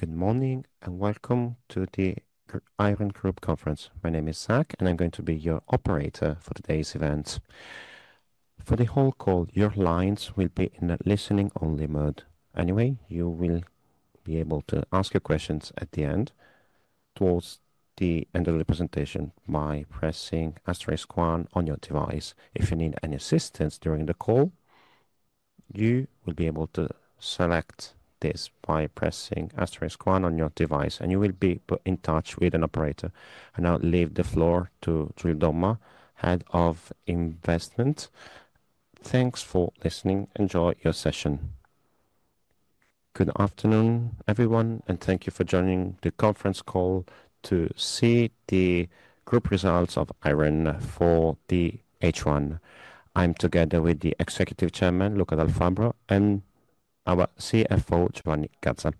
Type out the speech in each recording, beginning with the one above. Good morning and welcome to the IREN Group conference. My name is Zack, and I'm going to be your operator for today's event. For the whole call, your lines will be in a listening-only mode. Anyway, you will be able to ask your questions at the end, towards the end of the presentation, by pressing asterisk one on your device. If you need any assistance during the call, you will be able to select this by pressing asterisk one on your device, and you will be put in touch with an operator. I'll leave the floor to Giulio Domma, Head of Investment. Thanks for listening. Enjoy your session. Good afternoon, everyone, and thank you for joining the conference call to see the group results of IREN for the H1. I'm together with the Executive Chairman, Luca Dal Fabbro, and our CFO, Giovanni Gazza.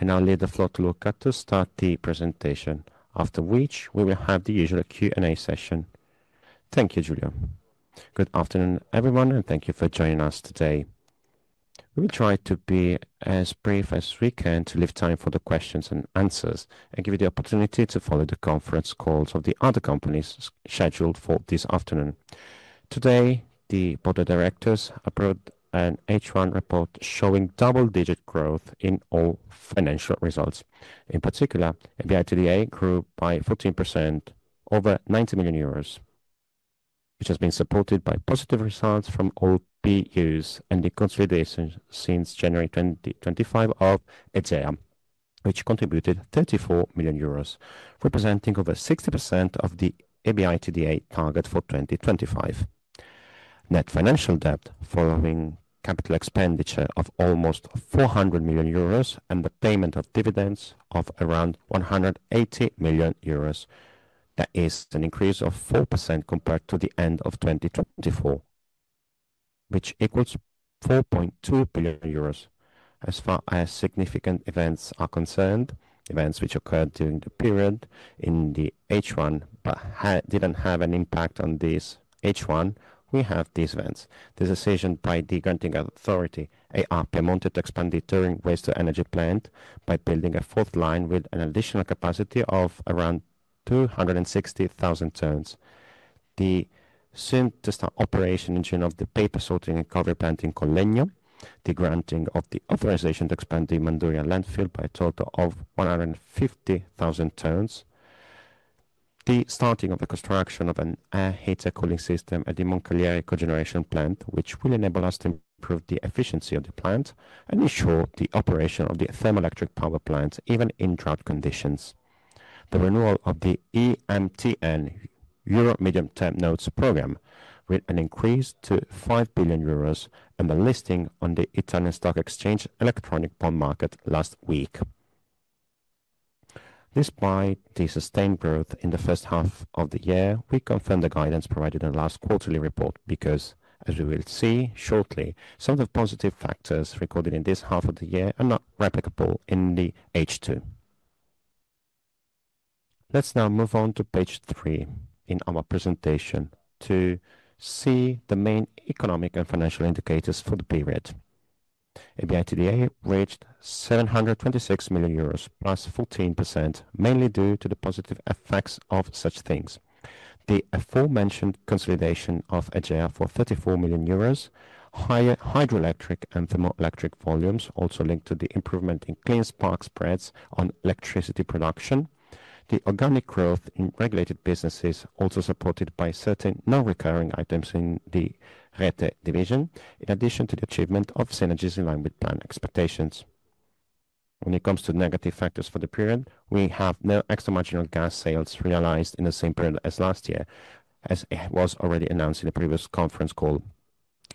I now leave the floor to Luca to start the presentation, after which we will have the usual Q&A session. Thank you, Giulio. Good afternoon, everyone, and thank you for joining us today. We will try to be as brief as we can to leave time for the questions and answers and give you the opportunity to follow the conference calls of the other companies scheduled for this afternoon. Today, the board of directors approved an H1 report showing double-digit growth in all financial results. In particular, the EBITDA grew by 14%, over 90 million euros, which has been supported by positive results from all PUs and the consolidation since January 2025 of EGEA, which contributed 34 million euros, representing over 60% of the EBITDA target for 2025. Net financial debt, following capital expenditure of almost 400 million euros and the payment of dividends of around 180 million euros, is an increase of 4% compared to the end of 2024, which equals 4.2 billion euros. As far as significant events are concerned, events which occurred during the period in the H1 but didn't have an impact on this H1, we have these events. The decision by the granting authority mounted expenditure in waste-to-energy plant by building a fourth line with an additional capacity of around 260,000 tons. The soon-to-start operation in June of the paper sorting and cover planting collegio, the granting of the authorization to expand the Manduria landfill by a total of 150,000 tons, the starting of the construction of an air heater cooling system at the Moncalieri cogeneration plant, which will enable us to improve the efficiency of the plant and ensure the operation of the thermoelectric power plants even in drought conditions. The renewal of the EMTN program with an increase to 5 billion euros and the listing on the Italian Stock Exchange electronic bond market last week. Despite the sustained growth in the first half of the year, we confirm the guidance provided in the last quarterly report because, as we will see shortly, some of the positive factors recorded in this half of the year are not replicable in the H2. Let's now move on to page three in our presentation to see the main economic and financial indicators for the period. EBITDA reached 726 million euros, +14%, mainly due to the positive effects of such things. The aforementioned consolidation of EGEA for 34 million euros, higher hydroelectric and thermoelectric volumes also linked to the improvement in clean spark spreads on electricity production. The organic growth in regulated businesses also supported by certain non-recurring items in the Rete division, in addition to the achievement of synergies in line with planned expectations. When it comes to negative factors for the period, we have no extramarginal gas sales realized in the same period as last year, as it was already announced in the previous conference call.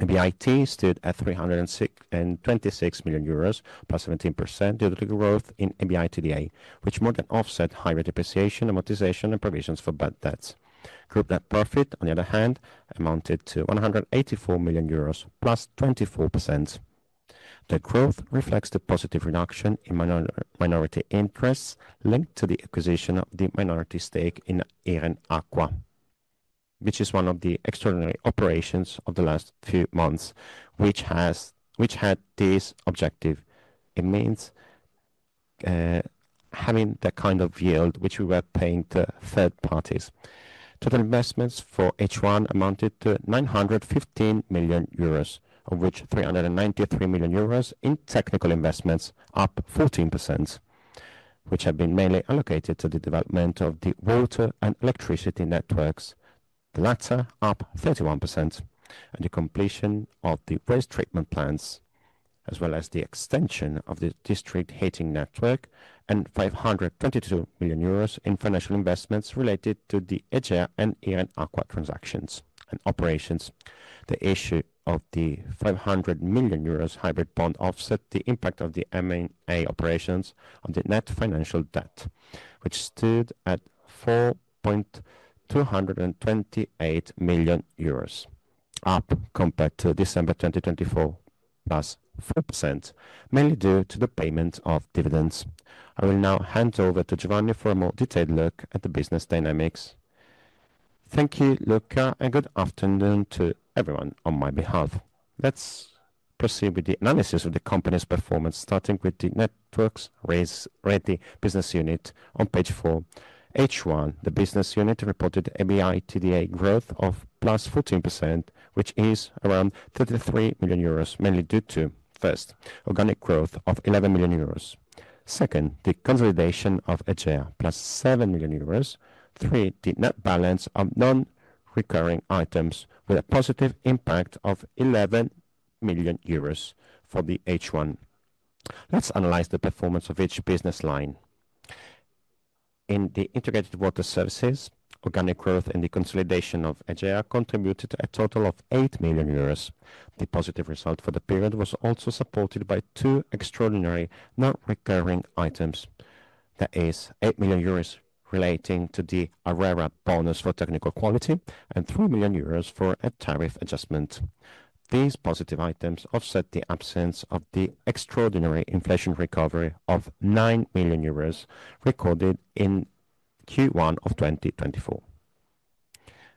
EBIT stood at 326 million euros, +17% due to the growth in EBITDA, which more than offset higher depreciation, amortization, and provisions for bad debts. Group net profit, on the other hand, amounted to 184 million euros, +24%. The growth reflects the positive reduction in minority interests linked to the acquisition of the minority stake in Iren Aqua, which is one of the extraordinary operations of the last few months, which had this objective. It means having that kind of yield which we were paying to third parties. Total investments for H1 amounted to 915 million euros, of which 393 million euros in technical investments, up 14%, which have been mainly allocated to the development of the water and electricity networks, the latter up 31%, and the completion of the waste treatment plants, as well as the extension of the district heating network, and 522 million euros in financial investments related to the EGEA and IREN Aqua transactions and operations. The issue of the 500 million euros hybrid bond offset the impact of the M&A operations on the net financial debt, which stood at 4.228 billion euros, up compared to December 2024, +4%, mainly due to the payment of dividends. I will now hand over to Giovanni for a more detailed look at the business dynamics. Thank you, Luca, and good afternoon to everyone on my behalf. Let's proceed with the analysis of the company's performance, starting with the Networks Ready business unit on page four. H1, the business unit reported EBITDA growth of plus 14%, which is around €33 million, mainly due to, first, organic growth of €11 million. Second, the consolidation of EGEA, plus 7 million euros. Third, the net balance of non-recurring items with a positive impact of 11 million euros for the H1. Let's analyze the performance of each business line. In the Integrated Water Services, organic growth and the consolidation of EGEA contributed to a total of 8 million euros. The positive result for the period was also supported by two extraordinary non-recurring items. That is, €8 million relating to the ARERA bonus for technical quality and 3 million euros for a tariff adjustment. These positive items offset the absence of the extraordinary inflation recovery of 9 million euros recorded in Q1 of 2024.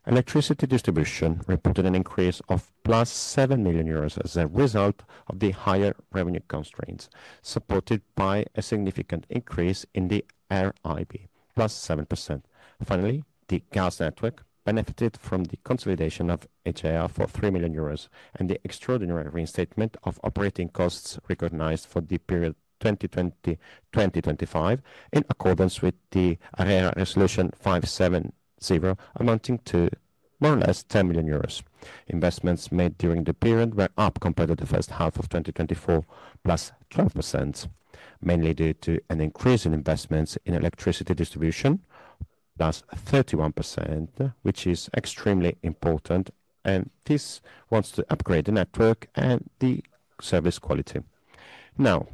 Electricity distribution reported an increase of plus 7 million euros as a result of the higher revenue constraints, supported by a significant increase in the RAB, +7%. Finally, the gas network benefited from the consolidation of EGEA for 3 million euros and the extraordinary reinstatement of operating costs recognized for the period 2020-2025 in accordance with the ARERA resolution 570, amounting to more or less 10 million euros. Investments made during the period were up compared to the first half of 2023, +12%, mainly due to an increase in investments in electricity distribution, +31%, which is extremely important, and this wants to upgrade the network and the service quality. Now,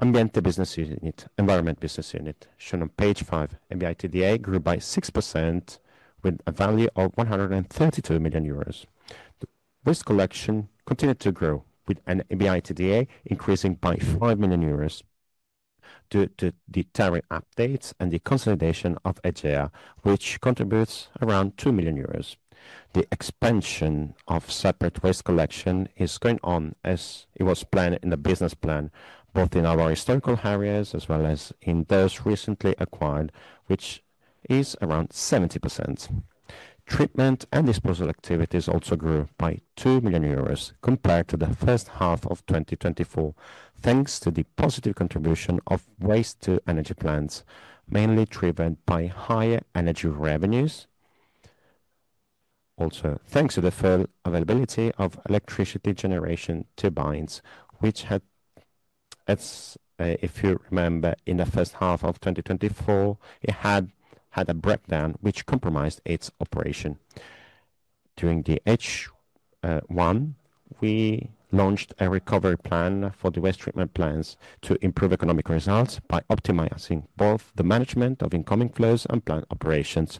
Ambiente Business Unit, Environment Business Unit, shown on page five, EBITDA grew by 6% with a value of 132 million euros. The waste collection continued to grow with an EBITDA increasing by 5 million euros due to the tariff updates and the consolidation of EGEA, which contributes around 2 million euros. The expansion of separate waste collection is going on as it was planned in the business plan, both in our historical areas as well as in those recently acquired, which is around 70%. Treatment and disposal activities also grew by 2 million euros compared to the first half of 2024, thanks to the positive contribution of waste-to-energy plants, mainly driven by higher energy revenues. Also, thanks to the full availability of electricity generation turbines, which had, as if you remember, in the first half of 2024, it had a breakdown which compromised its operation. During the H1, we launched a recovery plan for the waste treatment plants to improve economic results by optimizing both the management of incoming flows and plant operations.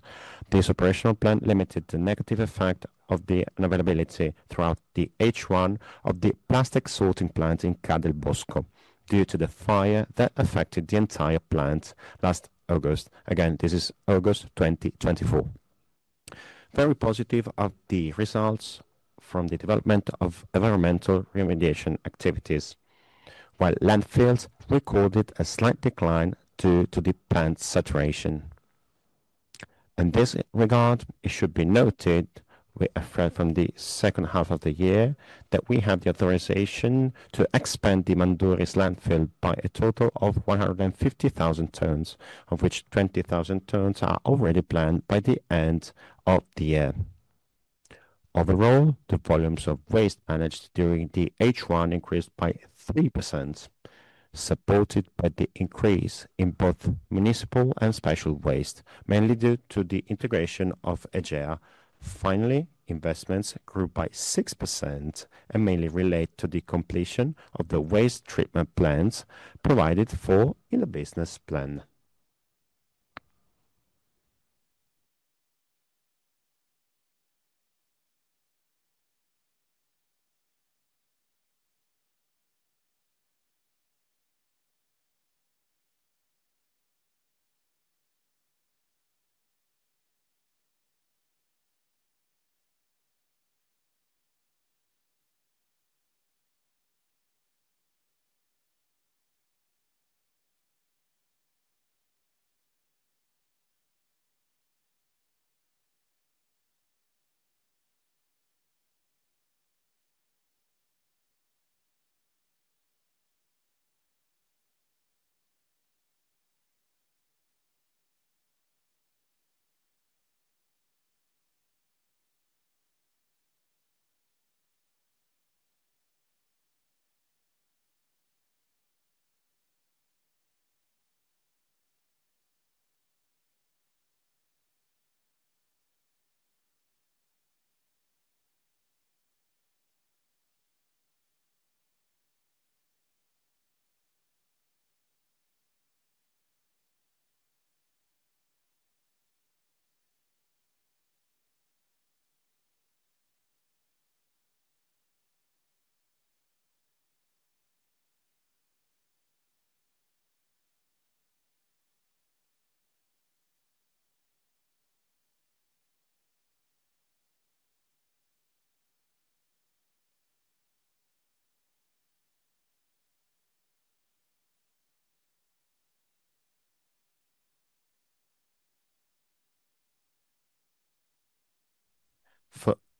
This operational plan limited the negative effect of the unavailability throughout the H1 of the plastic sorting plants in Cadle Bosco due to the fire that affected the entire plant last August. Again, this is August 2024. Very positive are the results from the development of environmental remediation activities, while landfills recorded a slight decline due to the plant saturation. In this regard, it should be noted we are afraid from the second half of the year that we have the authorization to expand the Manduria landfill by a total of 150,000 tons, of which 20,000 tons are already planned by the end of the year. Overall, the volumes of waste managed during the H1 increased by 3%, supported by the increase in both municipal and special waste, mainly due to the integration of EGEA. Finally, investments grew by 6% and mainly relate to the completion of the waste treatment plans provided for in the business plan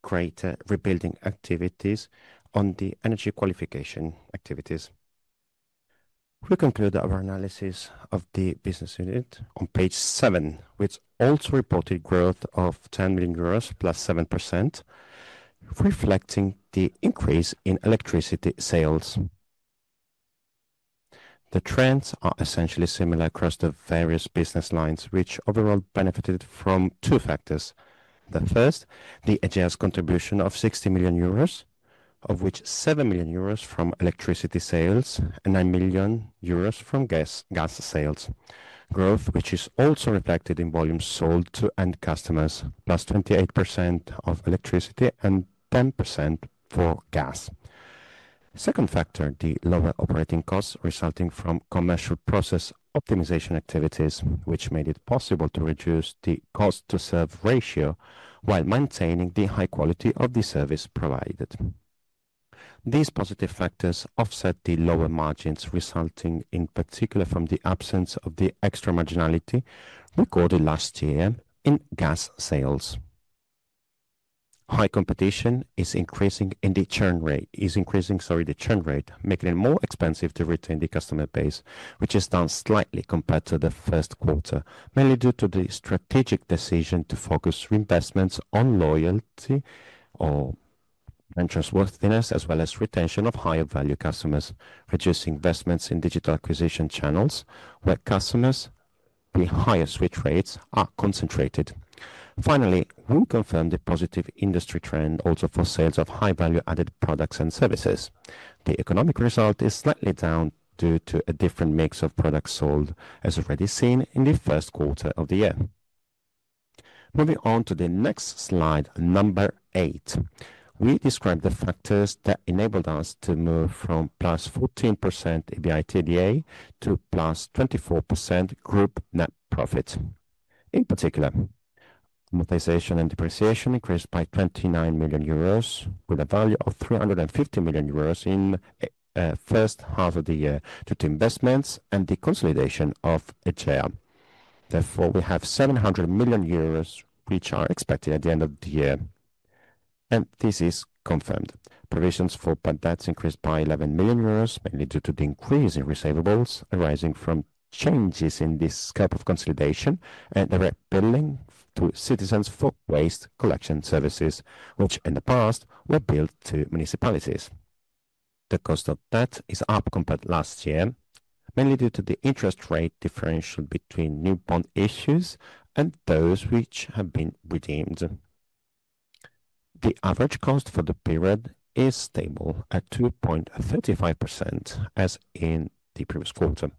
for greater rebuilding activities on the energy qualification activities. We conclude our analysis of the business unit on page seven, which also reported growth of 10 million euros, +7%, reflecting the increase in electricity sales. The trends are essentially similar across the various business lines, which overall benefited from two factors. The first, the EGEA's contribution of 60 million euros, of which 7 million euros from electricity sales and 9 million euros from gas sales. Growth, which is also reflected in volumes sold to end customers, +28% of electricity and 10% for gas. Second factor, the lower operating costs resulting from commercial process optimization activities, which made it possible to reduce the cost-to-serve ratio while maintaining the high quality of the service provided. These positive factors offset the lower margins, resulting in particular from the absence of the extramarginality recorded last year in gas sales. High competition is increasing the churn rate, making it more expensive to retain the customer base, which is down slightly compared to the first quarter, mainly due to the strategic decision to focus reinvestments on loyalty or interest worthiness, as well as retention of higher-value customers, reducing investments in digital acquisition channels where customers with higher switch rates are concentrated. Finally, we confirm the positive industry trend also for sales of high-value added products and services. The economic result is slightly down due to a different mix of products sold, as already seen in the first quarter of the year. Moving on to the next slide, number eight, we describe the factors that enabled us to move from +14% EBITDA to plus 24% group net profit. In particular, amortization and depreciation increased by 29 million euros with a value of 350 million euros in the first half of the year due to investments and the consolidation of EGEA. Therefore, we have 700 million euros which are expected at the end of the year. This is confirmed. Provisions for bad debts increased by 11 million euros, mainly due to the increase in receivables arising from changes in the scope of consolidation and the rebilling to citizens for waste collection services, which in the past were billed to municipalities. The cost of debt is up compared to last year, mainly due to the interest rate differential between new bond issues and those which have been redeemed. The average cost for the period is stable at 2.35% as in the previous quarter.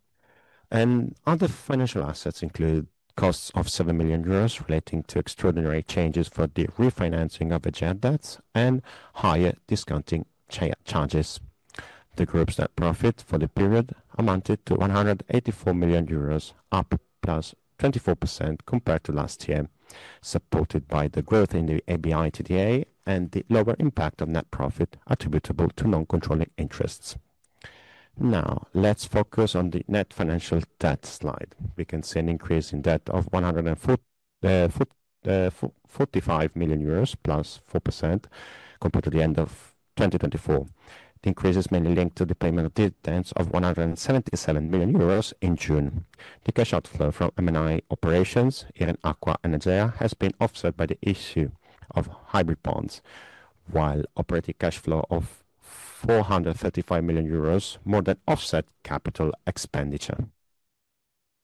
Other financial assets include costs of 7 million euros relating to extraordinary changes for the refinancing of EGEA debts and higher discounting charges. The group's net profit for the period amounted to 184 million euros, up +24% compared to last year, supported by the growth in the EBITDA and the lower impact of net profit attributable to non-controlling interests. Now, let's focus on the net financial debt slide. We can see an increase in debt of 145 million euros, +4% compared to the end of 2024. The increase is mainly linked to the payment of dividends of 177 million euros in June. The cash outflow from M&A operations, Iren Aqua and EGEA, has been offset by the issue of hybrid bonds, while operating cash flow of 435 million euros more than offset capital expenditure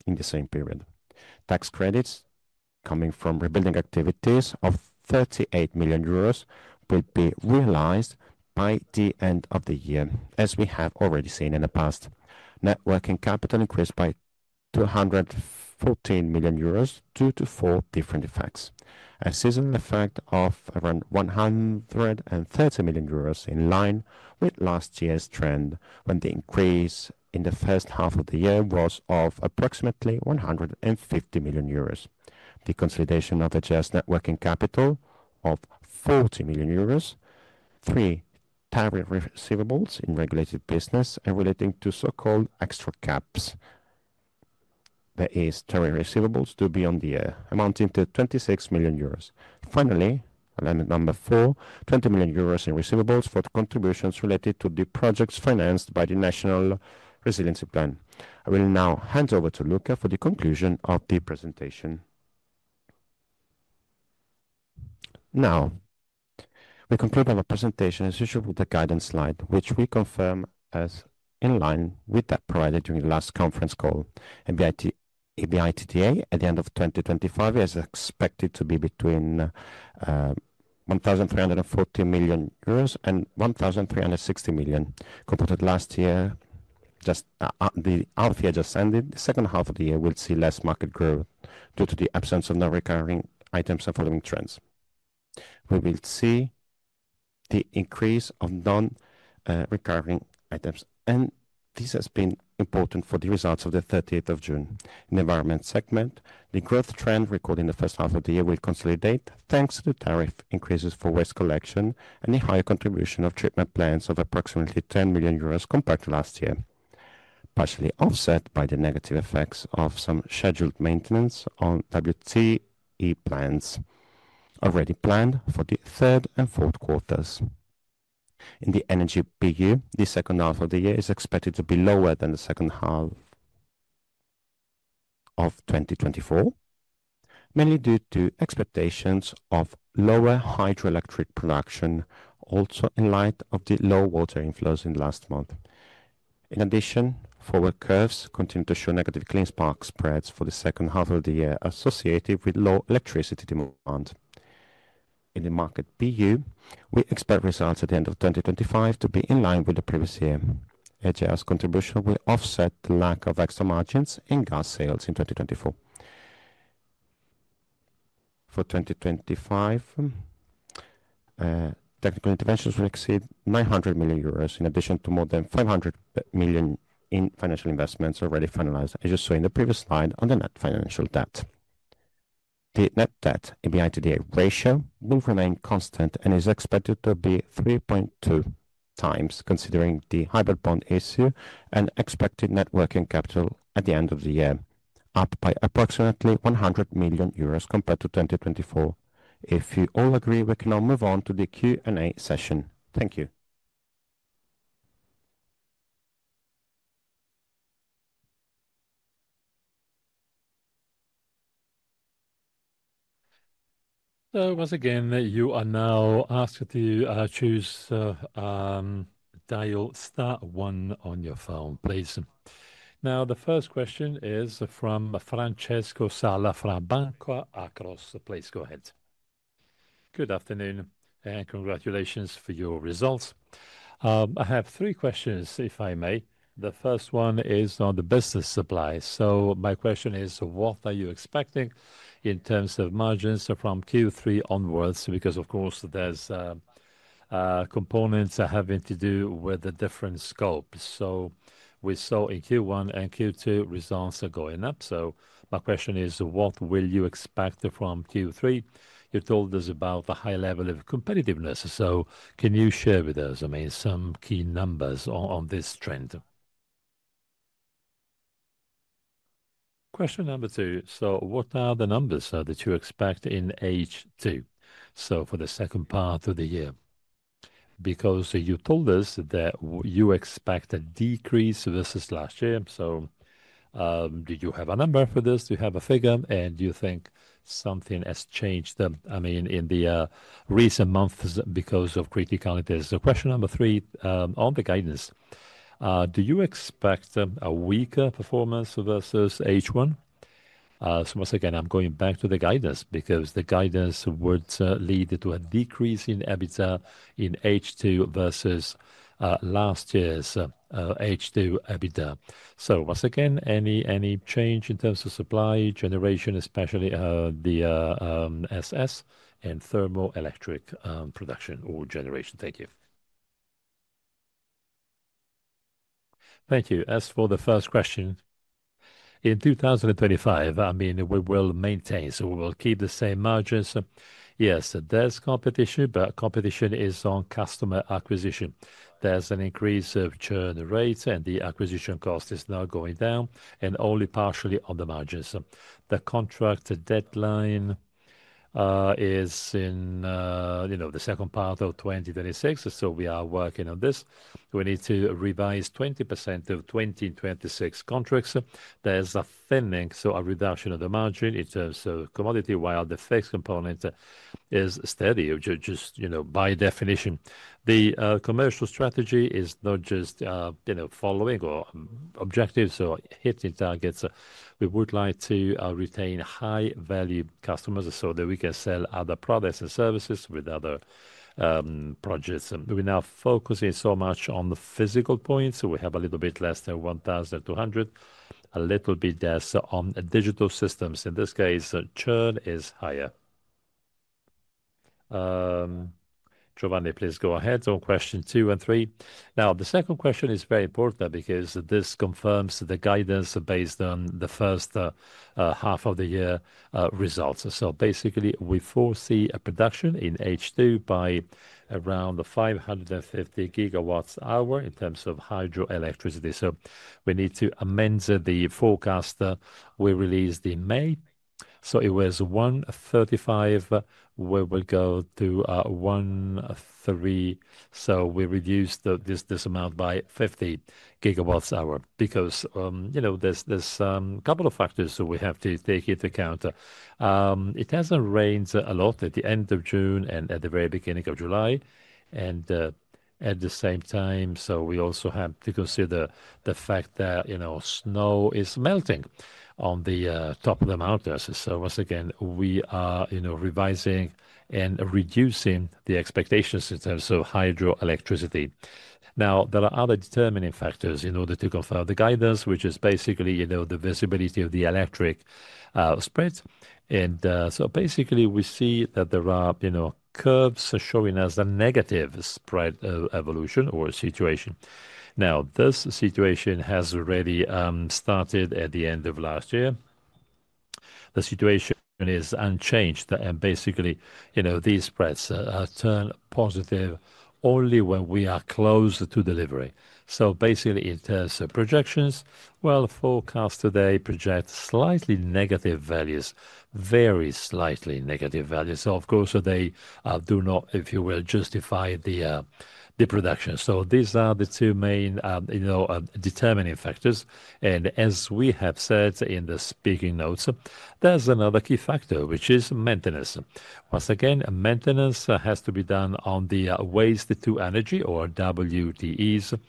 in the same period. Tax credits coming from rebuilding activities of 38 million euros will be realized by the end of the year, as we have already seen in the past. Networking capital increased by 214 million euros due to four different effects. A seasonal effect of around 130 million euros in line with last year's trend when the increase in the first half of the year was of approximately 150 million euros. The consolidation of EGEA's networking capital of 40 million euros. Three, tariff receivables in regulated businesses and relating to so-called extra caps. That is, tariff receivables due beyond the year, amounting to 26 million euros. Finally, element number four, 20 million euros in receivables for the contributions related to the projects financed by the National Resiliency Plan. I will now hand over to Luca for the conclusion of the presentation. Now, we conclude our presentation as usual with the guidance slide, which we confirm as in line with that provided during the last conference call. EBITDA at the end of 2025 is expected to be between 1,340 million euros and 1,360 million compared to last year. Just the half year just ended, the second half of the year will see less market growth due to the absence of non-recurring items and following trends. We will see the increase of non-recurring items, and this has been important for the results of the 30th of June. In the environment segment, the growth trend recorded in the first half of the year will consolidate thanks to the tariff increases for waste collection and the higher contribution of treatment plants of approximately 10 million euros compared to last year, partially offset by the negative effects of some scheduled maintenance on WTE plants already planned for the third and fourth quarters. In the energy PU, the second half of the year is expected to be lower than the second half of 2024, mainly due to expectations of lower hydroelectric production, also in light of the low water inflows in the last month. In addition, forward curves continue to show negative clean spark spreads for the second half of the year associated with low electricity demand in the market PU. We expect results at the end of 2025 to be in line with the previous year. EGEA's contribution will offset the lack of extra margins in gas sales in 2024. For 2025, technical interventions will exceed 900 million euros, in addition to more than 500 million in financial investments already finalized, as you saw in the previous slide on the net financial debt. The net financial debt to EBITDA ratio will remain constant and is expected to be 3.2x, considering the hybrid bond issue and expected networking capital at the end of the year, up by approximately 100 million euros compared to 2024. If you all agree, we can now move on to the Q&A session. Thank you. Once again, you are now asked to choose dial star one on your phone, please. The first question is from Francesco Sala from Banca Akros. Please go ahead. Good afternoon and congratulations for your results. I have three questions, if I may. The first one is on the business supply. My question is, what are you expecting in terms of margins from Q3 onwards? Of course, there's components having to do with the different scopes. We saw in Q1 and Q2 results are going up. My question is, what will you expect from Q3? You told us about the high level of competitiveness. Can you share with us some key numbers on this trend? Question number two, what are the numbers that you expect in H2, for the second part of the year, because you told us that you expect a decrease versus last year? Do you have a number for this? Do you have a figure? Do you think something has changed in the recent months because of criticalities? Question number three on the guidance. Do you expect a weaker performance versus H1? Once again, I'm going back to the guidance because the guidance would lead to a decrease in EBITDA in H2 versus last year's H2 EBITDA. Once again, any change in terms of supply generation, especially the SS and thermoelectric production or generation? Thank you. Thank you. As for the first question, in 2025, we will maintain, so we will keep the same margins. Yes, there's competition, but competition is on customer acquisition. There's an increase of churn rates and the acquisition cost is now going down and only partially on the margins. The contract deadline is in the second part of 2026. We are working on this. We need to revise 20% of 2026 contracts. There's a thinning, a reduction of the margin in terms of commodity, while the fixed component is steady, just by definition. The commercial strategy is not just following objectives or hitting targets. We would like to retain high-value customers so that we can sell other products and services with other projects. We're now focusing so much on the physical points. We have a little bit less than 1,200, a little bit less on digital systems. In this case, churn is higher. Giovanni, please go ahead on question two and three. The second question is very important because this confirms the guidance based on the first half of the year results. Basically, we foresee a production in H2 by around 550 GWh in terms of hydroelectricity. We need to amend the forecast we released in May. It was 135, we will go to 130. We reduced this amount by 50 GWh because there are a couple of factors that we have to take into account. It hasn't rained a lot at the end of June and at the very beginning of July. At the same time, we also have to consider the fact that snow is melting on the top of the mountains. Once again, we are revising and reducing the expectations in terms of hydroelectricity. There are other determining factors in order to confirm the guidance, which is basically the visibility of the electric spreads. We see that there are curves showing us the negative spread evolution or situation. This situation has already started at the end of last year. The situation is unchanged and these spreads turn positive only when we are close to delivery. It has projections. Forecast today projects slightly negative values, very slightly negative values. Of course, they do not, if you will, justify the production. These are the two main determining factors. As we have said in the speaking notes, there's another key factor, which is maintenance. Once again, maintenance has to be done on the waste-to-energy or WTEs.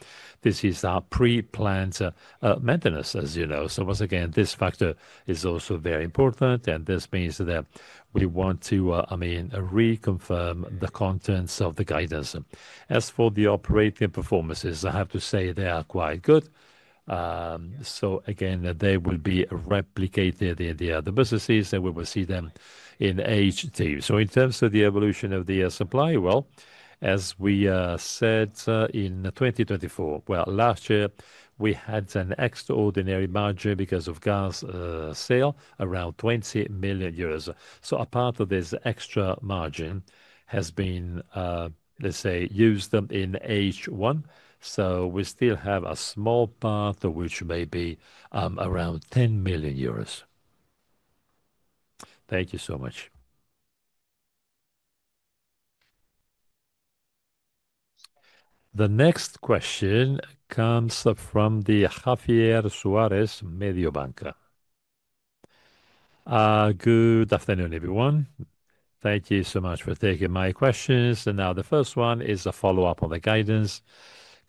This is our pre-plant maintenance, as you know. Once again, this factor is also very important. This means that we want to reconfirm the contents of the guidance. As for the operating performances, I have to say they are quite good. They will be replicated in the other businesses and we will see them in H2. In terms of the evolution of the supply, as we said in 2024, last year we had an extraordinary margin because of gas sale around 20 million euros. A part of this extra margin has been, let's say, used in H1. We still have a small part which may be around 10 million euros. Thank you so much. The next question comes from Javier Suárez, Mediobanca. Good afternoon, everyone. Thank you so much for taking my questions. The first one is a follow-up on the guidance.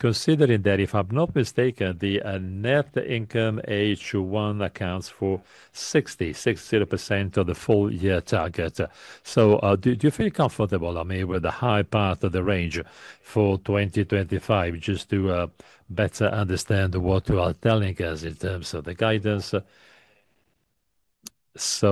Considering that, if I'm not mistaken, the net income H1 accounts for 60% of the full year target, do you feel comfortable, I mean, with the high part of the range for 2025 just to better understand what you are telling us in terms of the guidance? This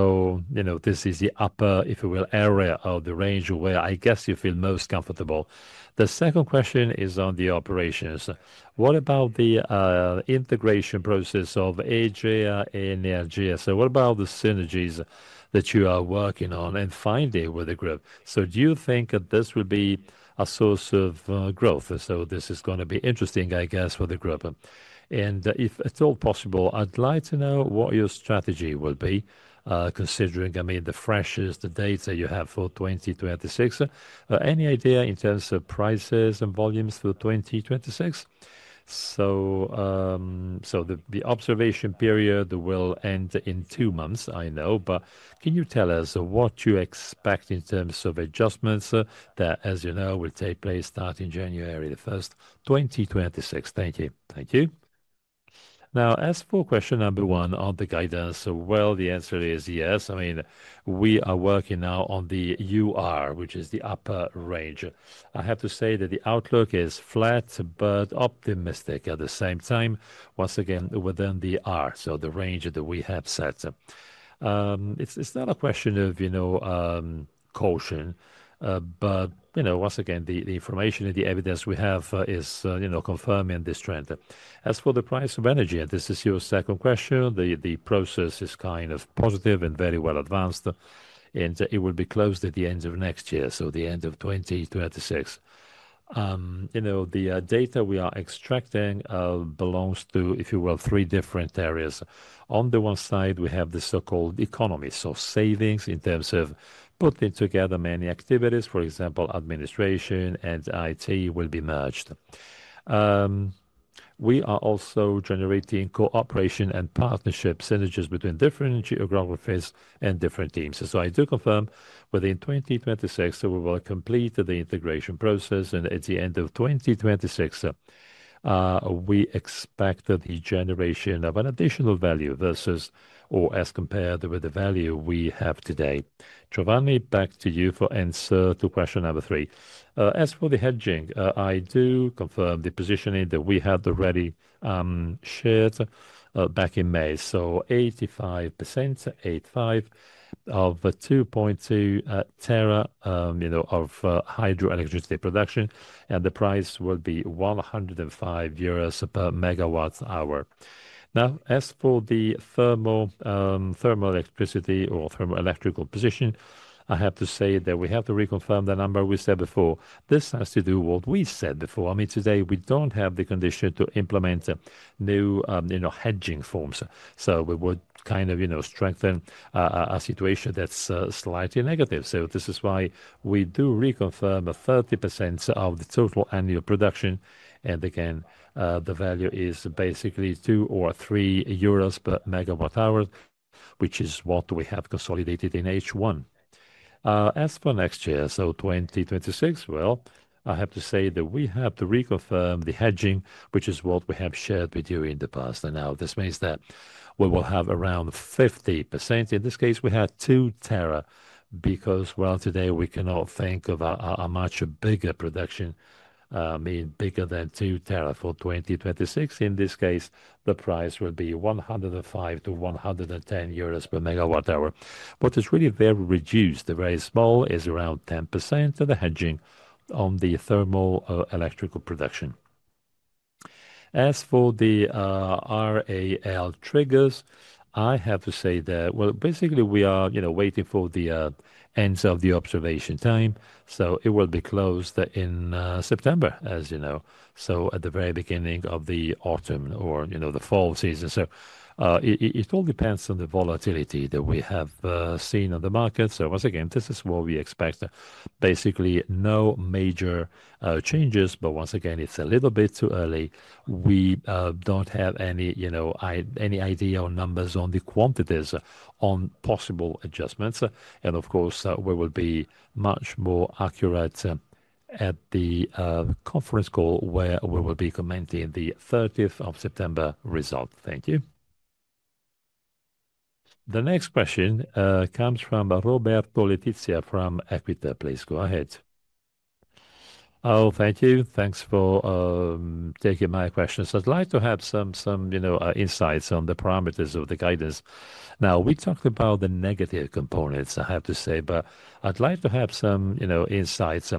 is the upper, if you will, area of the range where I guess you feel most comfortable. The second question is on the operations. What about the integration process of EGEA and EnergiA? What about the synergies that you are working on and finding with the group? Do you think that this will be a source of growth? This is going to be interesting, I guess, for the group. If at all possible, I'd like to know what your strategy will be considering, I mean, the freshest data you have for 2026. Any idea in terms of prices and volumes for 2026? The observation period will end in two months, I know, but can you tell us what you expect in terms of adjustments that, as you know, will take place starting January 1st, 2026? Thank you. Thank you. As for question number one on the guidance, the answer is yes. I mean, we are working now on the upper range. I have to say that the outlook is flat but optimistic at the same time. Once again, within the range that we have set. It's not a question of caution, but once again, the information and the evidence we have is confirming this trend. As for the price of energy, and this is your second question, the process is kind of positive and very well advanced, and it will be closed at the end of next year, so the end of 2026. The data we are extracting belongs to, if you will, three different areas. On the one side, we have the so-called economy, so savings in terms of putting together many activities, for example, administration and IT will be merged. We are also generating cooperation and partnership synergies between different geographies and different teams. I do confirm within 2026, we will complete the integration process, and at the end of 2026, we expect the generation of an additional value versus or as compared with the value we have today. Giovanni, back to you for answer to question number three. As for the hedging, I do confirm the positioning that we had already shared back in May. 85% of 2.2 tera of hydroelectricity production, and the price will be 105 euros per megawatt hour. As for the thermoelectricity or thermoelectrical position, I have to say that we have to reconfirm the number we said before. This has to do with what we said before. Today we don't have the condition to implement new hedging forms. We would kind of strengthen a situation that's slightly negative. This is why we do reconfirm 30% of the total annual production, and again, the value is basically €2 or €3 per megawatt hour, which is what we have consolidated in H1. As for next year, 2026, I have to say that we have to reconfirm the hedging, which is what we have shared with you in the past. This means that we will have around 50%. In this case, we had two tera because today we cannot think of a much bigger production, I mean, bigger than two tera for 2026. In this case, the price will be €105 to €110 per megawatt hour. It is really very reduced. The very small is around 10% of the hedging on the thermoelectric production. As for the RAL triggers, I have to say that we are waiting for the end of the observation time. It will be closed in September, as you know, at the very beginning of the autumn or the fall season. It all depends on the volatility that we have seen on the market. Once again, this is what we expect. Basically, no major changes, but once again, it's a little bit too early. We don't have any idea or numbers on the quantities on possible adjustments. Of course, we will be much more accurate at the conference call where we will be commenting the 30th of September result. Thank you. The next question comes from Roberto Letizia from Equita. Please go ahead. Thank you. Thanks for taking my questions. I'd like to have some insights on the parameters of the guidance. We talked about the negative components, I have to say, but I'd like to have some insights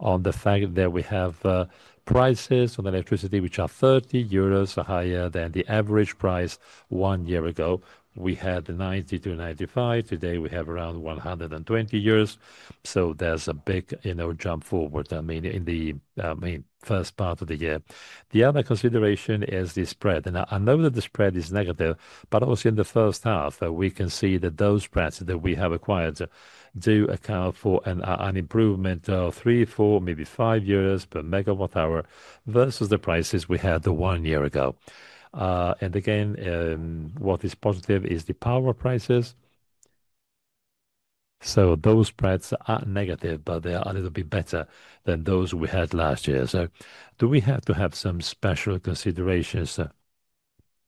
on the fact that we have prices on electricity which are 30 euros higher than the average price one year ago. We had 90-95. Today, we have around 120 euros. There is a big jump forward, I mean, in the first part of the year. The other consideration is the spread. I know that the spread is negative, but also in the first half, we can see that those spreads that we have acquired do account for an improvement of 3, 4, maybe 5 euros per megawatt hour versus the prices we had one year ago. Again, what is positive is the power prices. Those spreads are negative, but they are a little bit better than those we had last year. Do we have to have some special considerations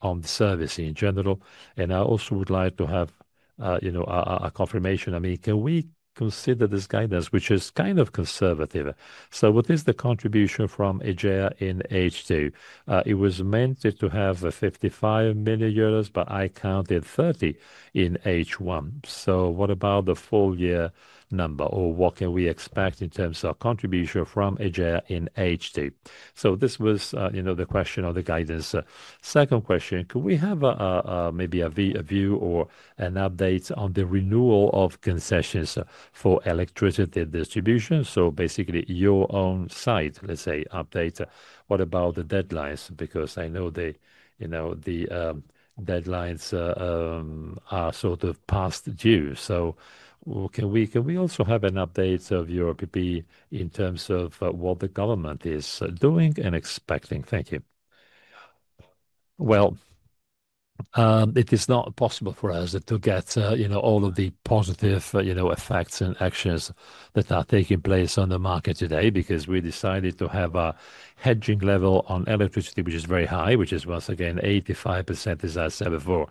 on the service in general? I also would like to have a confirmation. I mean, can we consider this guidance, which is kind of conservative? What is the contribution from EGEA in H2? It was meant to have €55 million, but I counted 30 million in H1. What about the full year number or what can we expect in terms of contribution from ETEA in H2? This was the question on the guidance. Second question, can we have maybe a view or an update on the renewal of concessions for electricity distribution? Basically, your own site, let's say, update. What about the deadlines? I know the deadlines are sort of past due. Can we also have an update of your PP in terms of what the government is doing and expecting? Thank you. It is not possible for us to get all of the positive effects and actions that are taking place on the market today because we decided to have a hedging level on electricity, which is very high, which is once again 85%, as I said before.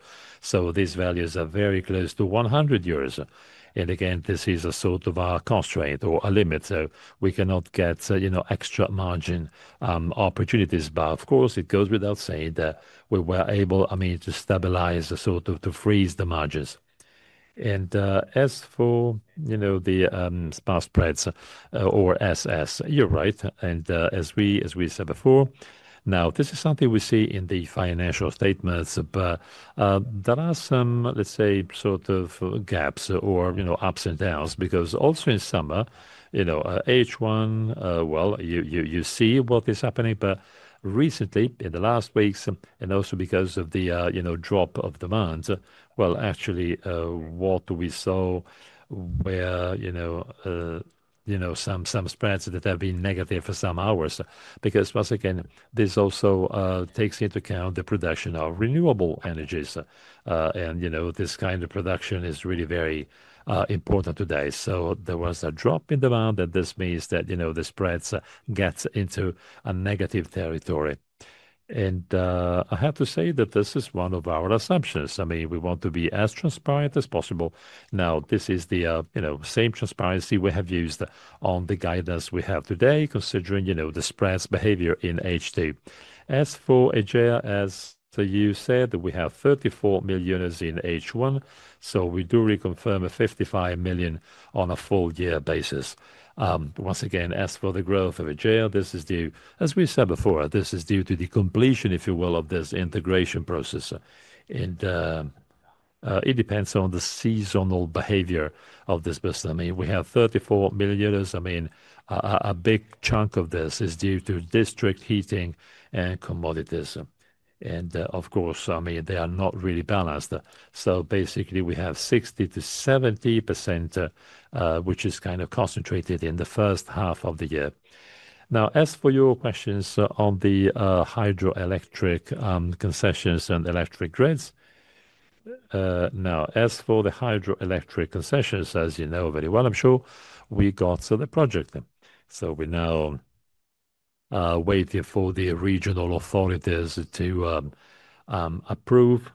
These values are very close to 100 euros. Again, this is a sort of a constraint or a limit. We cannot get extra margin opportunities. Of course, it goes without saying that we were able, I mean, to stabilize, sort of to freeze the margins. As for the spark spreads or SS, you're right. As we said before, now this is something we see in the financial statements, but there are some, let's say, sort of gaps or ups and downs because also in summer, you know, H1, you see what is happening. Recently, in the last weeks, and also because of the drop of demands, actually, what we saw were some spreads that have been negative for some hours because once again, this also takes into account the production of renewable energies. You know, this kind of production is really very important today. There was a drop in demand and this means that the spreads get into a negative territory. I have to say that this is one of our assumptions. I mean, we want to be as transparent as possible. This is the same transparency we have used on the guidance we have today, considering the spreads behavior in H2. As for EGEA, as you said, we have 34 million in H1. We do reconfirm a 55 million on a full year basis. Once again, as for the growth of EGEA, this is due, as we said before, to the completion, if you will, of this integration process. It depends on the seasonal behavior of this business. We have 34 million. A big chunk of this is due to district heating and commodities. Of course, they are not really balanced. Basically, we have 60%-70%, which is kind of concentrated in the first half of the year. As for your questions on the hydroelectric concessions and electric grids, as for the hydroelectric concessions, as you know very well, I'm sure, we got the project. We're now waiting for the regional authorities to approve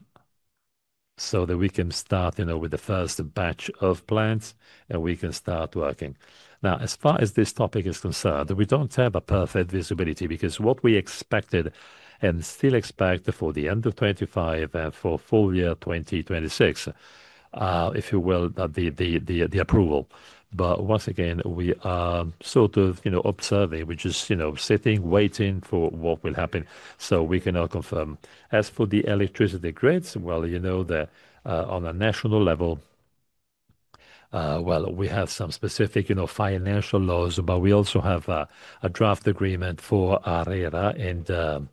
so that we can start with the first batch of plants and we can start working. As far as this topic is concerned, we don't have perfect visibility because what we expected and still expect for the end of 2025 and for full year 2026, if you will, is the approval. Once again, we are sort of observing. We're just sitting, waiting for what will happen. We cannot confirm. As for the electricity grids, you know that on a national level, we have some specific financial laws, but we also have a draft agreement for ARERA.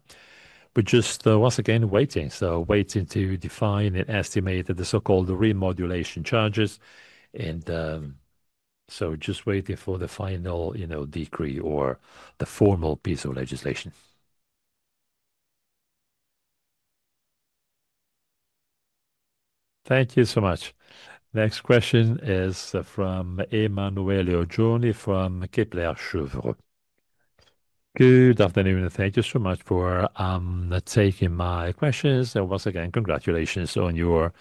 We're just, once again, waiting. Waiting to define and estimate the so-called remodulation charges. We're just waiting for the final decree or the formal piece of legislation. Thank you so much. Next question is from Emanuele Oggioni from KeplerCheuvreux. Good afternoon. Thank you so much for taking my questions. Once again, congratulations on your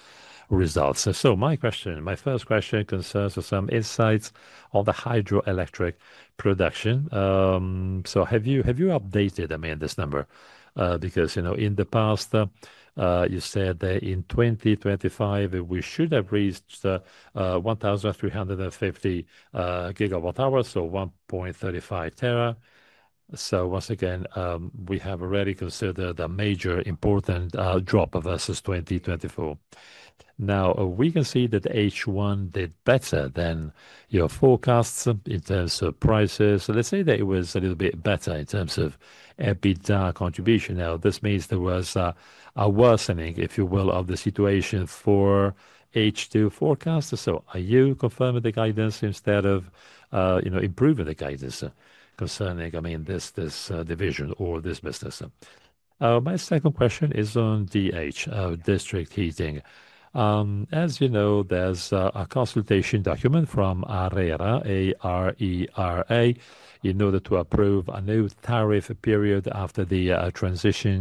results. My first question concerns some insights on the hydroelectric production. Have you updated, I mean, this number? Because in the past, you said that in 2025, we should have reached 1,350 GWh, so 1.35 tera. Once again, we have already considered a major important drop versus 2024. We can see that H1 did better than your forecasts in terms of prices. Let's say that it was a little bit better in terms of EBITDA contribution. This means there was a worsening, if you will, of the situation for H2 forecasts. Are you confirming the guidance instead of improving the guidance concerning, I mean, this division or this business? My second question is on DH, district heating. As you know, there's a consultation document from ARERA in order to approve a new tariff period after the transition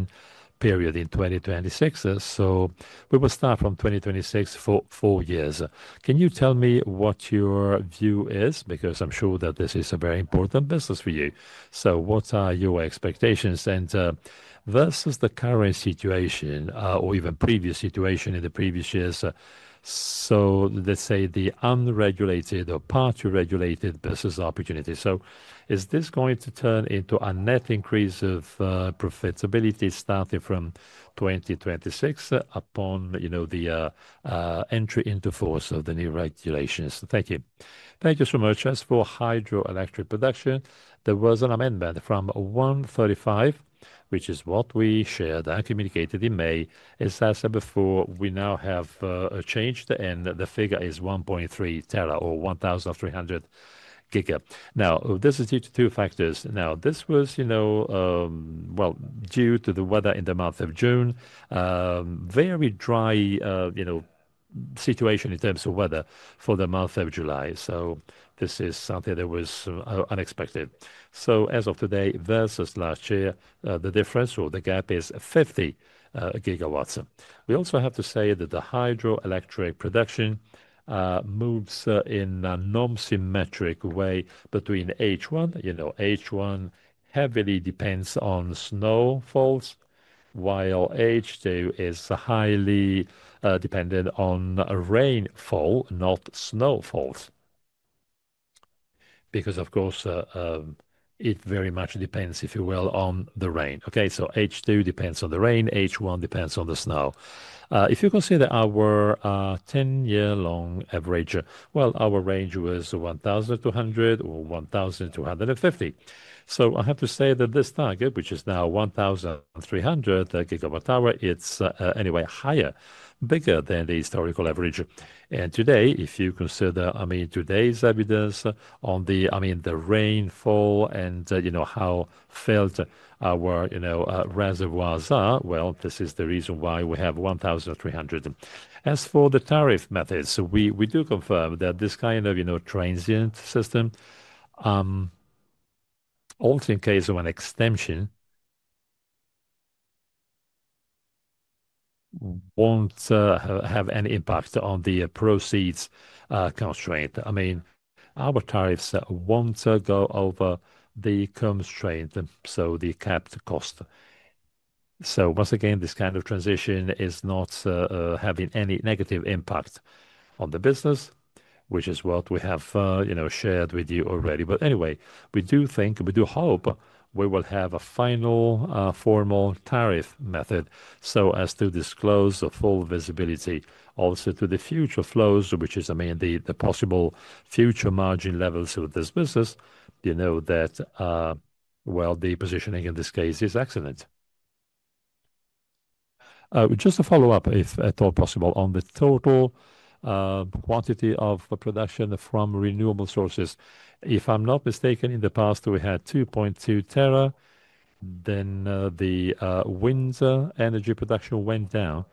period in 2026. We will start from 2026 for four years. Can you tell me what your view is? I'm sure that this is a very important business for you. What are your expectations? Versus the current situation or even previous situation in the previous years, let's say the unregulated or partially regulated business opportunity. Is this going to turn into a net increase of profitability starting from 2026 upon the entry into force of the new regulations? Thank you. Thank you so much. As for hydroelectric production, there was an amendment from 135, which is what we shared and communicated in May. As I said before, we now have a change, and the figure is 1.3 tera or 1,300 GWh. This is due to two factors. This was due to the weather in the month of June, a very dry situation in terms of weather for the month of July. This is something that was unexpected. As of today versus last year, the difference or the gap is 50 GWh. We also have to say that the hydroelectric production moves in a non-symmetric way between H1. H1 heavily depends on snowfalls, while H2 is highly dependent on rainfall, not snowfalls. It very much depends, if you will, on the rain. H2 depends on the rain, H1 depends on the snow. If you consider our 10-year-long average, our range was 1,200 or 1,250. I have to say that this target, which is now 1,300 GWh, is anyway higher, bigger than the historical average. If you consider today's evidence on the rainfall and how full our reservoirs are, this is the reason why we have 1,300. As for the tariff methods, we do confirm that this kind of transient system, also in case of an extension, won't have any impact on the proceeds constraint. Our tariffs won't go over the constraint, so the capped cost. Once again, this kind of transition is not having any negative impact on the business, which is what we have shared with you already. Anyway, we do think, we do hope we will have a final formal tariff method so as to disclose the full visibility also to the future flows, which is the possible future margin levels of this business. You know that the positioning in this case is excellent. Just to follow up, if at all possible, on the total quantity of production from renewable sources. If I'm not mistaken, in the past, we had 2.2 tera, then the wind energy production went down.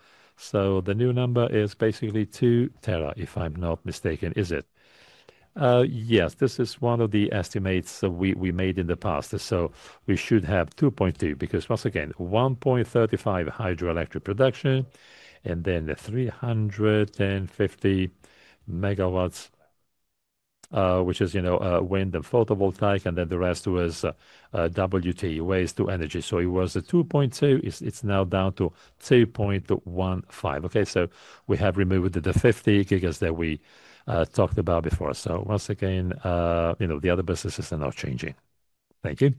The new number is basically 2 tera, if I'm not mistaken, is it? Yes, this is one of the estimates we made in the past. We should have 2.2 because once again, 1.35 hydroelectric production and then 350 MW, which is, you know, wind and photovoltaic, and then the rest was waste-to-energy. It was 2.2, it's now down to 2.15. We have removed the 50 gigawatts that we talked about before. Once again, you know, the other businesses are not changing. Thank you.